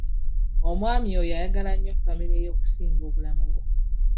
Omwami oyo ayagala nnyo famire ye okusinga obulamu bwe.